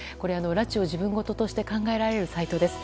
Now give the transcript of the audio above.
拉致を自分事として考えられるサイトです。